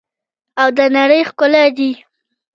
او د نړۍ ښکلا دي.